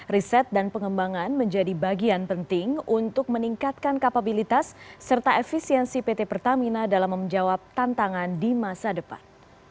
riset dan pengembangan menjadi bagian penting untuk meningkatkan kapabilitas serta efisiensi pt pertamina dalam menjawab tantangan di masa depan